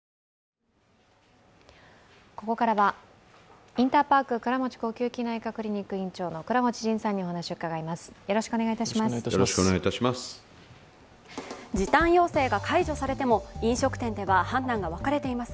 ここからはインターパーク倉持呼吸器内科クリニック院長の倉持仁さんにお話を伺います。